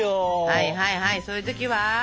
はいはいはいそういう時は？